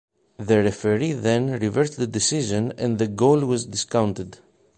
The referee then reversed the decision and the goal was discounted.